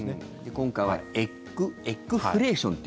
今回はエッグフレーションという。